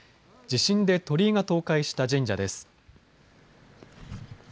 地震で鳥居が倒壊した神社です。